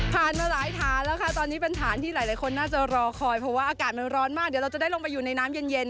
มาหลายฐานแล้วค่ะตอนนี้เป็นฐานที่หลายคนน่าจะรอคอยเพราะว่าอากาศมันร้อนมากเดี๋ยวเราจะได้ลงไปอยู่ในน้ำเย็น